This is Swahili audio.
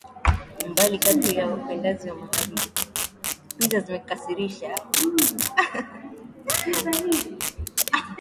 Umbali kati ya upande wa magharibi na